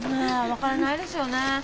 分からないですよねえ。